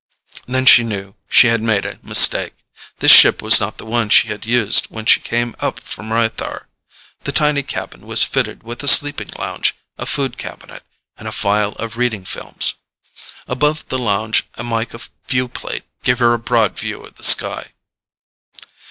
Then she knew she had made a mistake. This ship was not the one she had used when she came up from Rythar. The tiny cabin was fitted with a sleeping lounge, a food cabinet and a file of reading films. Above the lounge a mica viewplate gave her a broad view of the sky.